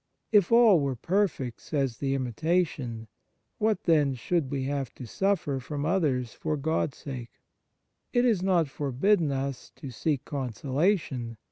" If all were perfect," says the " Imitation/ " what, then, should we have to suffer from others for God s sake ?" It is not forbidden us to seek consolation.